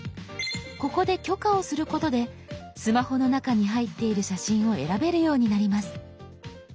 ここで許可をすることでスマホの中に入っている写真を選べるようになります。